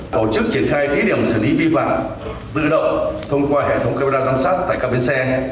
tổ chức triển khai thí điểm xử lý vi phạm tự động thông qua hệ thống camera giám sát tại các bến xe